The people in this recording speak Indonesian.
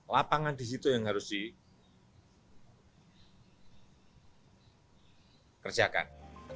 lapangan di situ yang harus dikerjakan